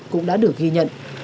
cũng đã được ghi nhận